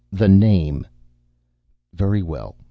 "The name!" "Very well.